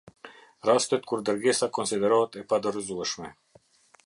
Rastet kur dërgesa konsiderohet e padorëzueshme.